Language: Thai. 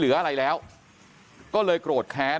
กลุ่มตัวเชียงใหม่